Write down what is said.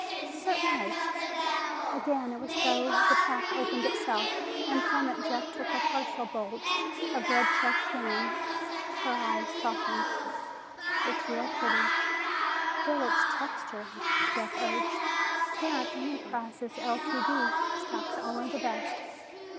"Certainly." Again it was as though the pack opened itself, and from it Jeff took a partial bolt of red checked gingham. Her eyes softened. "It's real pretty." "Feel its texture," Jeff urged. "Tarrant Enterprises, Ltd., stocks only the best.